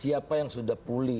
siapa yang sudah pulih